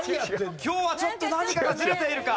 今日はちょっと何かがズレているか？